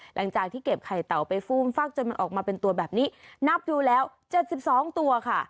หลังจากที่เก็บไข่เตาไปฟูมฟักจนมันออกมาเป็นตัวแบบนี้นับดูแล้ว๗๒ตัวค่ะ